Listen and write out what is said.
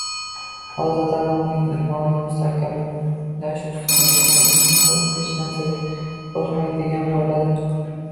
Hozirdanoq uning iymonini mustahkamlash ustida ishlang, shunda u hech narsadan qo‘rqmaydigan bo‘ladi.